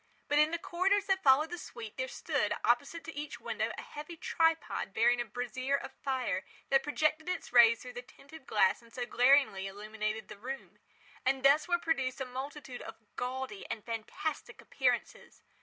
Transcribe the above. But in the corridors that followed the suite, there stood, opposite to each window, a heavy tripod, bearing a brazier of fire, that projected its rays through the tinted glass and so glaringly illumined the room. And thus were produced a multitude of gaudy and fantastic appearances.